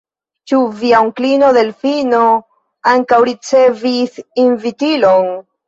Ĉu via onklino Delfino ankaŭ ricevis invitilon?